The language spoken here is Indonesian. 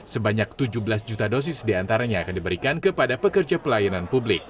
sebanyak tujuh belas juta dosis diantaranya akan diberikan kepada pekerja pelayanan publik